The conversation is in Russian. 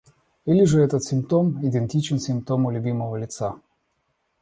Или же этот симптом идентичен симптому любимого лица.